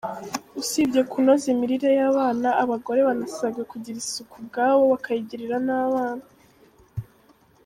Usibye kunoza imirire y’abana abagore banasabwe kugira isuku ubwabo bakayigirira n’abana.